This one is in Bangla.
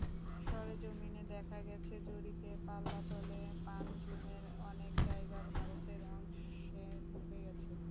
সরেজমিনে দেখা গেছে, জরিপে পাল্লাতলে পানজুমের অনেক জায়গা ভারতের অংশে ঢুকে গেছে।